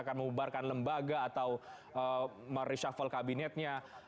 bahkan mengubarkan lembaga atau mereshuffle kabinetnya